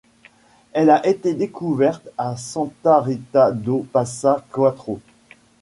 Elle a été découverte à Santa Rita do Passa Quatro.